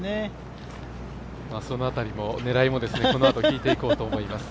その辺りの狙いも、このあと聞いていこうと思います。